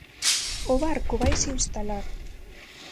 "O barco vaise instalar".